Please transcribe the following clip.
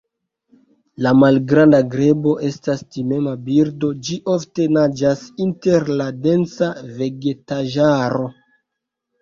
La Malgranda grebo estas timema birdo, ĝi ofte naĝas inter la densa vegetaĵaro.